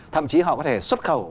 thậm chí họ có thể xuất khẩu